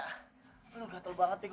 aduh gatel banget deh gue